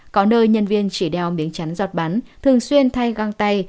có nơi nhân viên chỉ đeo miếng chắn giọt bắn thường xuyên thay găng tay